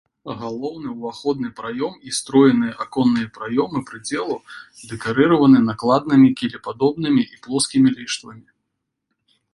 Галоўны ўваходны праём і строеныя аконныя праёмы прыдзелаў дэкарыраваны накладнымі кілепадобнымі і плоскімі ліштвамі.